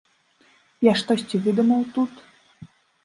Я штосьці выдумаў тут?